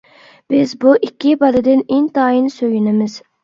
بىز بۇ ئىككى بالىدىن ئىنتايىن سۆيۈنىمىز.